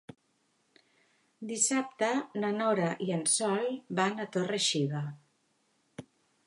Dissabte na Nora i en Sol van a Torre-xiva.